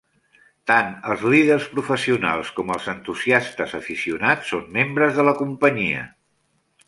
Tant els líders professionals com els entusiastes aficionats són membres de la Companyia.